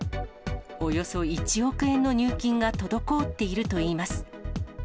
およそ１億円の入金が滞っているといいます。